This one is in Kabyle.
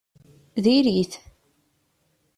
Diri-t!